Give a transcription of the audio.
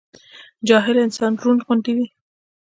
جاهل انسان رونډ غوندي وي